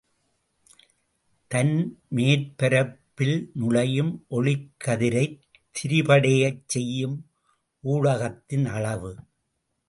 தன்மேற்பரப்பில் நுழையும் ஒளிக்கதிரைத் திரிபடையச் செய்யும் ஊடகத்தின் அளவு.